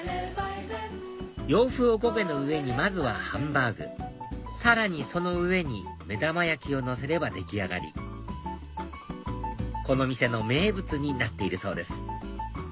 洋風おこげの上にまずはハンバーグさらにその上に目玉焼きをのせれば出来上がりこの店の名物になっているそうです